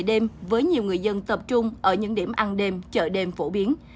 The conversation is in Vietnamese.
còn có rất nhiều tuyến phố về đêm với nhiều người dân tập trung ở những điểm ăn đêm chợ đêm phổ biến